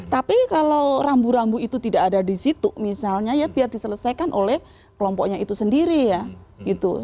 tapi kalau rambu rambu itu tidak ada di situ misalnya ya biar diselesaikan oleh kelompoknya itu sendiri ya gitu